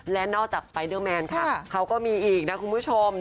และนอกจากสไปเดอร์แมนค่ะเขาก็มีอีกนะคุณผู้ชม